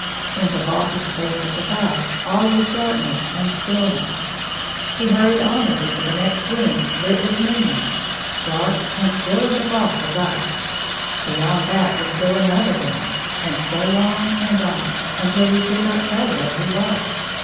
In the vaulted spaces above, all was darkness and still ness. He hurried onward into the next room Ut with moonlight, dark and still in the vault above. Beyond that was still another room, and so on and on, until he could not tell where he was.